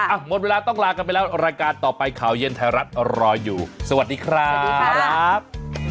หมดเวลาต้องลากันไปแล้วรายการต่อไปข่าวเย็นไทยรัฐรออยู่สวัสดีครับสวัสดีครับ